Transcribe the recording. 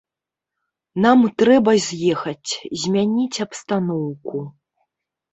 Нам трэба з'ехаць, змяніць абстаноўку.